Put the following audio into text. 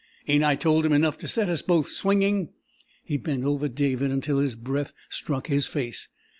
Ain't I told him enough to set us both swinging?" He bent over David until his breath struck his face.